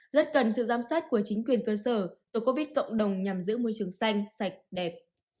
rất cần sự giám sát của chính quyền cơ sở tôi covid cộng đồng nhằm giữ môi trường xanh sạch đẹp